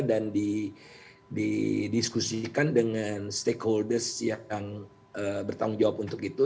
dan didiskusikan dengan stakeholders yang bertanggung jawab untuk itu